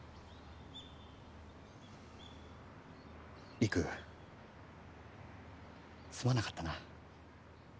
陸すまなかったな。